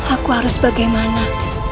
aku harus bagaimana